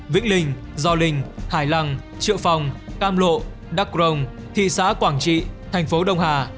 vĩnh linh gio linh hải lăng triệu phong cam lộ đắk rồng thị xã quảng trị thành phố đông hà